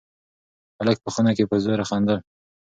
هلک په خونه کې په زوره خندل.